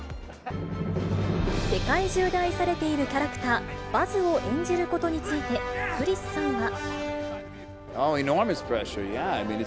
世界中で愛されているキャラクター、バズを演じることについて、クリスさんは。